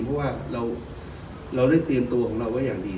เพราะว่าเราได้เตรียมตัวของเราไว้อย่างดี